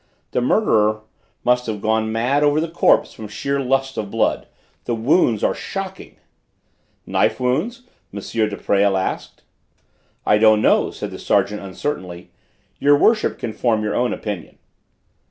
The murderer must have gone mad over the corpse from sheer lust of blood. The wounds are shocking." "Knife wounds?" M. de Presles asked. "I don't know," said the sergeant uncertainly. "Your worship can form your own opinion."